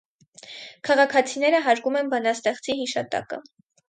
Քաղաքացիները հարգում են բանաստեղծի հիշատակը։